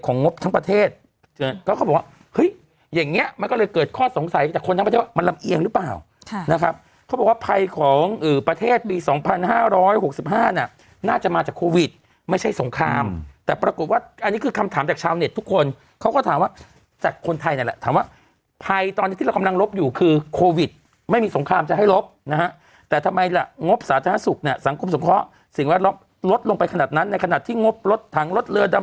งบทั้งประเทศเขาก็บอกว่าเห้ยอย่างเงี้ยมันก็เลยเกิดข้อสงสัยจากคนทั้งประเทศว่ามันลำเอียงหรือเปล่านะครับเขาบอกว่าภัยของประเทศปี๒๕๖๕น่าจะมาจากโควิดไม่ใช่สงครามแต่ปรากฏว่าอันนี้คือคำถามจากชาวเน็ตทุกคนเขาก็ถามว่าจากคนไทยนั่นแหละถามว่าภัยตอนนี้ที่เรากำลังลบอยู่คือโควิดไม่มีสงคร